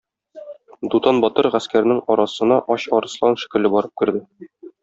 Дутан батыр гаскәрнең арасына ач арыслан шикелле барып керде.